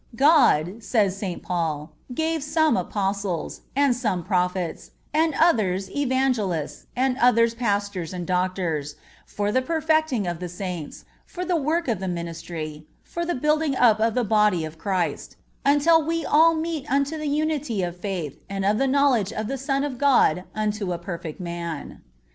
"God," says St. Paul, "gave some Apostles, and some Prophets, and others Evangelists, and others Pastors and Doctors, for the perfecting of the Saints, for the work of the ministry, for the building up of the body of Christ, until we all meet unto the unity of faith and of the knowledge of the Son of God unto a perfect man."